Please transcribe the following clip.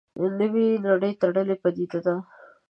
نوې نړۍ تړلې پدیده ده.